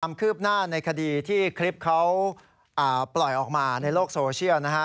ความคืบหน้าในคดีที่คลิปเขาปล่อยออกมาในโลกโซเชียลนะฮะ